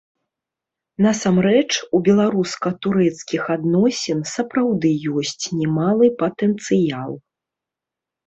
Насамрэч, у беларуска-турэцкіх адносін сапраўды ёсць немалы патэнцыял.